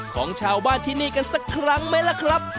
ของชาวบ้านที่นี่กันสักครั้งไหมล่ะครับ